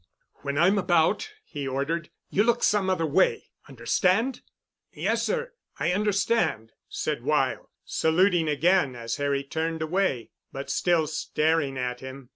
"When I'm about," he ordered, "you look some other way. Understand?" "Yes sir. I understand," said Weyl, saluting again as Harry turned away, but still staring at him.